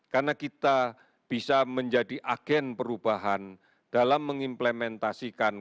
karena kita bisa menjadi agen perubahan dalam mengimplementasikan